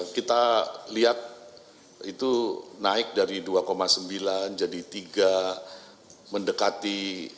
kita lihat itu naik dari dua sembilan jadi tiga mendekati